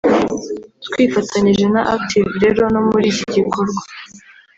twifatanyije na Active rero no muri iki gikorwa